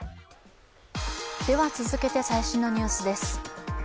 続けて最新のニュースです。